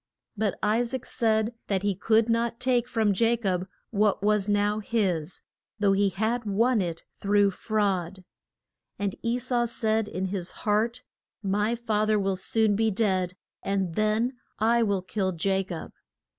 But I saac said that he could not take from Ja cob what was now his though he had won it through fraud. And E sau said in his heart, My fa ther will soon be dead, and then I will kill Ja cob. [Illustration: JA COB'S DREAM.